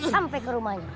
sampai ke rumahnya